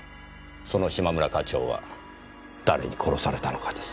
その嶋村課長は誰に殺されたのかです。